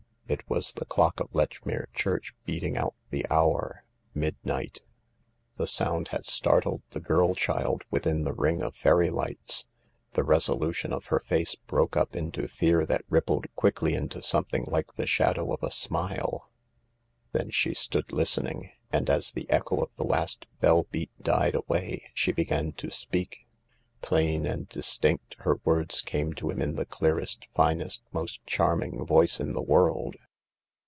It was the clock of Lech mere Church beating out the hour— midnight. THE LARK 10 The sound had startled the girl child within the ring of fairy lights. The resolution of her face broke up into fear that rippled quickly into something like the shadow of a smile. Then she stood listening, and, as the echo of the last bell beat died away, she began to speak. Plain and distinct, her words came to him in the clearest, finest, most charming voice in the world.